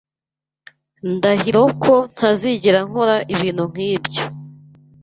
Ndahiro ko ntazigera nkora ibintu nkibyo.